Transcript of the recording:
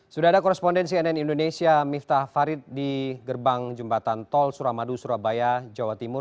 sudah ada koresponden cnn indonesia miftah farid di gerbang jembatan tol suramadu surabaya jawa timur